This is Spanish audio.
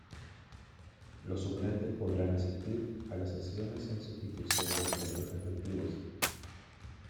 Los suplentes podrán asistir a las sesiones en sustitución de los miembros efectivos.